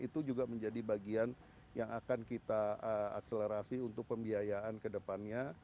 itu juga menjadi bagian yang akan kita akselerasi untuk pembiayaan ke depannya